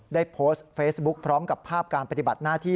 ได้โพสต์เฟซบุ๊คพร้อมกับภาพการปฏิบัติหน้าที่